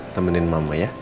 temenin mama ya